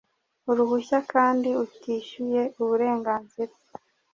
uruhushya kandi utishyuye uburenganzira